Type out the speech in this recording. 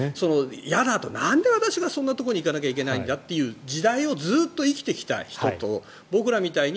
嫌だ、なんで私がそんなところに行かなきゃいけないんだという時代をずっと生きてきた人と僕らみたいに